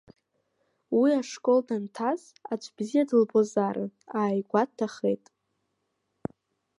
Уи, ашкол данҭаз, аӡә бзиа дылбозаарын, ааигәа дҭахеит.